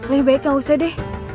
lebih baik gak usah deh